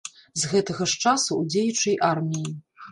З гэтага ж часу ў дзеючай арміі.